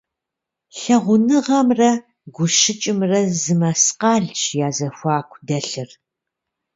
Лъагъуныгъэмрэ гущыкӏымрэ зы мэскъалщ я зэхуаку дэлъыр.